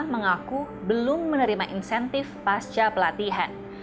mengaku belum menerima insentif pasca pelatihan